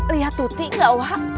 lihat tuti enggak wak